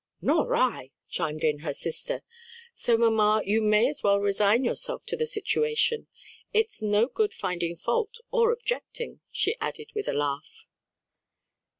"Nor I," chimed in her sister. "So mamma you may as well resign yourself to the situation. It's no good finding fault or objecting," she added with a laugh.